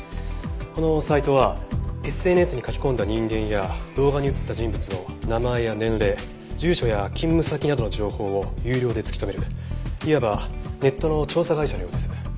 このサイトはＳＮＳに書き込んだ人間や動画に映った人物の名前や年齢住所や勤務先などの情報を有料で突き止めるいわばネットの調査会社のようです。